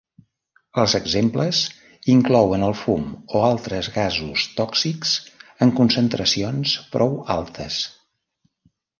Els exemples inclouen el fum o altres gasos tòxics en concentracions prou altes.